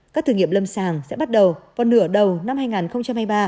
các thử nghiệm lâm sàng sẽ bắt đầu vào nửa đầu năm hai nghìn hai mươi ba